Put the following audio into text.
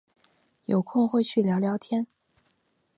有空会去聊聊天